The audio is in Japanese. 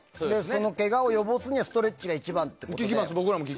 そのけがを予防するためにはストレッチが一番ってことで。